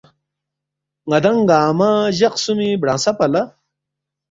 ن٘دانگ گنگمہ جق خسُومی برانگسہ پا لہ